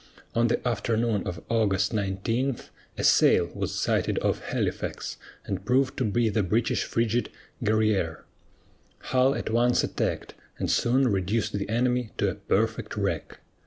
On the afternoon of August 19, a sail was sighted off Halifax and proved to be the British frigate Guerrière. Hull at once attacked, and soon reduced the enemy to a "perfect wreck."